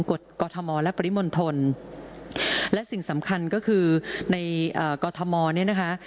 กรกอทมและปริมณฑลและสิ่งสำคัญก็คือในกรทมเนี่ยนะคะ